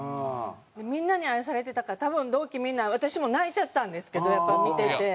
みんなに愛されてたから多分同期みんな私も泣いちゃったんですけどやっぱり見てて。